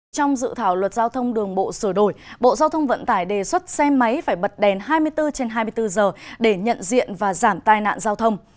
trong dự thảo luật giao thông đường bộ sửa đổi bộ giao thông vận tải đề xuất xe máy phải bật đèn hai mươi bốn trên hai mươi bốn giờ để nhận diện và giảm tai nạn giao thông